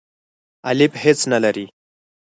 الیف هیڅ نه لری.